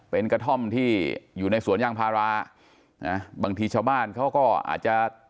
เป็นกระท่อมที่อยู่ในสวนยางพารานะบางทีชาวบ้านเขาก็อาจจะ